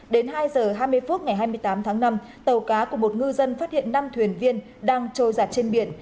đến hai h hai mươi phút ngày hai mươi tám tháng năm tàu cá của một ngư dân phát hiện năm thuyền viên đang trôi giặt trên biển